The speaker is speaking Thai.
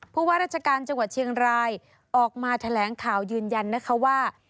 ว่าราชการจังหวัดเชียงรายออกมาแถลงข่าวยืนยันนะคะว่า